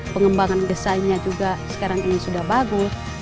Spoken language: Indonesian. pengembangan desainnya juga sekarang ini sudah bagus